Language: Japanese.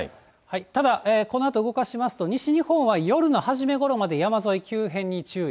ただ、このあと動かしますと西日本は夜の初めごろまで、山沿い、急変に注意。